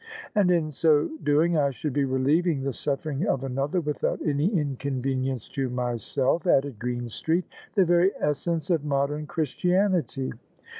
" And in so doing I should be relieving the suflFering of another without any inconvenience to myself," added Green street :" the very essence of modem Christianity."